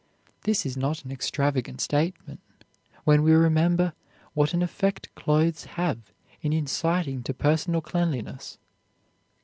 This is not an extravagant statement, when we remember what an effect clothes have in inciting to personal cleanliness.